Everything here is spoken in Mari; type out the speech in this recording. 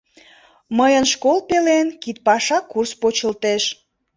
Мыйын школ пелен кидпаша курс почылтеш.